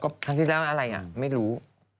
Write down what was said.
ครั้งที่แล้วอะไรอ่ะไม่รู้